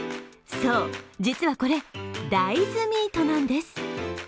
そう、実はこれ、大豆ミートなんです。